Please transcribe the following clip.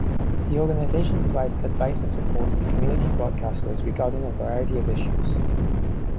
The organisation provides advice and support to community broadcasters regarding a variety of issues.